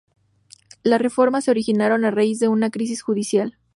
Las reformas se originaron a raíz de una crisis judicial.